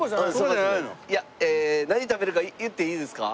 いや何食べるか言っていいですか？